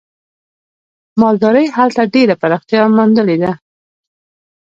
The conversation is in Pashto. مالدارۍ هلته ډېره پراختیا موندلې ده.